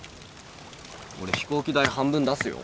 俺飛行機代半分出すよ。